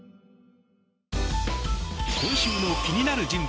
今週の気になる人物